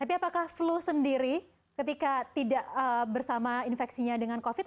tapi apakah flu sendiri ketika tidak bersama infeksinya dengan covid